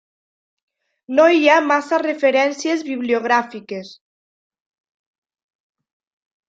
No n'hi ha massa referències bibliogràfiques.